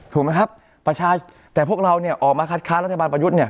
ถูกไหมครับประชาชนแต่พวกเราเนี่ยออกมาคัดค้านรัฐบาลประยุทธ์เนี่ย